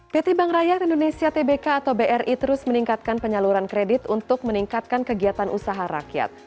pt bank rakyat indonesia tbk atau bri terus meningkatkan penyaluran kredit untuk meningkatkan kegiatan usaha rakyat